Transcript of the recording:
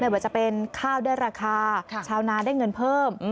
ว่าจะเป็นข้าวได้ราคาชาวนาได้เงินเพิ่ม